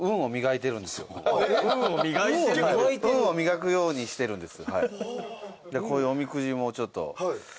運を磨くようにしてるんです。